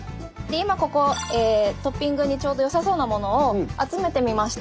今ここトッピングにちょうどよさそうなものを集めてみました！